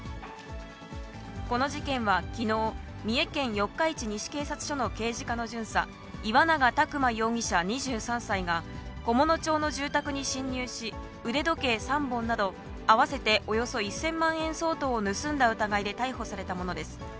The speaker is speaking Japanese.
この事件は、きのう三重県四日市西警察署の刑事課の巡査、岩永拓馬容疑者２３歳が、菰野町の住宅に侵入し、腕時計３本など、合わせておよそ１０００万円相当を盗んだ疑いで逮捕されたものです。